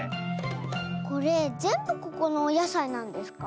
これぜんぶここのおやさいなんですか？